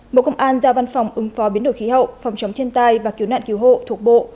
bộ công an giao văn phòng ứng phó biến đổi khí hậu phòng chống thiên tai và cứu nạn cứu hộ thuộc bộ